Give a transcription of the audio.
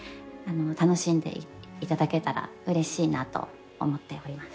楽しんでいただけたらうれしいなと思っております。